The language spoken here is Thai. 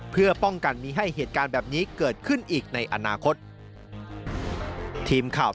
เพื่อป้องกันไม่ให้เหตุการณ์แบบนี้เกิดขึ้นอีกในอนาคต